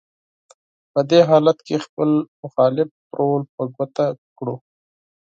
په دې حالت کې خپل مخالف رول په ګوته کړو: